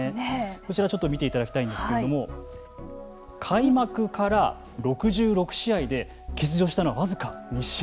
こちらを見ていただきたいんですけれども開幕から６６試合で欠場したのは僅か２試合。